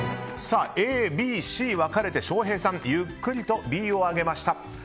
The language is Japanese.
Ａ、Ｂ、Ｃ、分かれて翔平さん、ゆっくりとＢを上げました。